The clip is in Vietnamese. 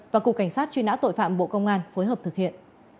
và cục cảnh sát truy nã tội phạm bộ công an phối hợp thực hiện